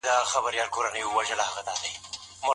زوم دې تر واده مخکي له زياتو خبرو ډډه وکړي.